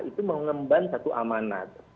itu mengemban satu amanat